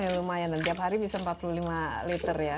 lumayan dan tiap hari bisa empat puluh lima liter ya